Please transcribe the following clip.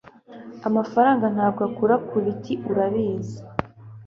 Amafaranga ntabwo akura kubiti, urabizi.